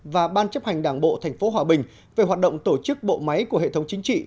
và ban chấp hành đảng bộ tp hòa bình về hoạt động tổ chức bộ máy của hệ thống chính trị